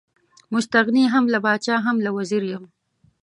مستغني هم له پاچا هم له وزیر یم.